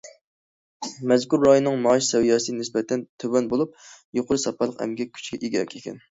مەزكۇر رايوننىڭ مائاش سەۋىيەسى نىسبەتەن تۆۋەن بولۇپ، يۇقىرى ساپالىق ئەمگەك كۈچىگە ئىگە ئىكەن.